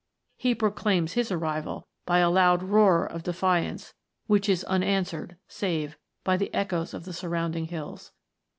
He proclaims his arrival by a loud roar of defiance, which is unanswered save by the echoes of the sur rounding hills.